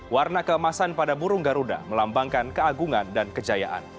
warna keemasan pada burung garuda melambangkan keagungan dan kejayaan